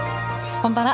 こんばんは。